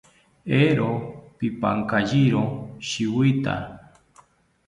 Eero pipankayiro shiwita